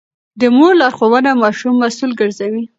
د مور لارښوونه ماشوم مسوول ګرځوي.